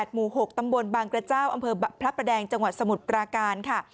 หมู่๖ตำบลบางกระเจ้าอำเภอพระประแดงจังหวัดสมุทรปราการค่ะ